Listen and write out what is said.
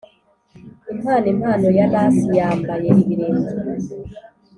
impano, impano ya lass yambaye ibirenge,